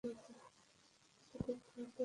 Cartoon Network না।